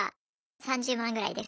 ３０万ぐらいです。